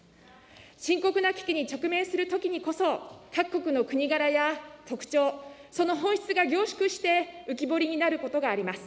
深刻な危機に直面するときにこそ、各国の国柄や特徴、その本質が凝縮して、浮き彫りになることがあります。